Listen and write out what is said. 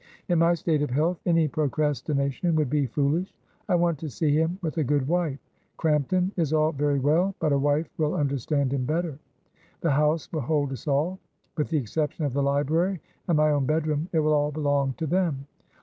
In my state of health any procrastination would be foolish. I want to see him with a good wife. Crampton is all very well, but a wife will understand him better. The house will hold us all. With the exception of the library and my own bedroom, it will all belong to them.